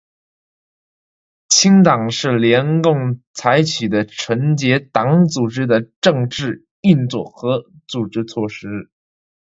清党是联共采取的纯洁党组织的政治运动和组织措施。